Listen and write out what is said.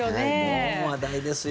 もう話題ですよ。